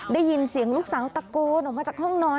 ได้ยินเสียงลูกสาวตะโกนออกมาจากห้องนอน